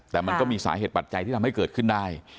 แต่มันก็มีสาเหตุปัจจัยที่ทำให้เกิดขึ้นได้